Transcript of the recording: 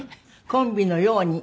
コンビのように。